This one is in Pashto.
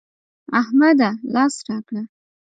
احمده! لاس راکړه.